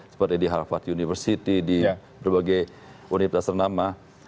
seperti di harvard university di berbagai universitas ternama